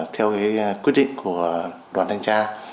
theo quyết định của đoàn thanh tra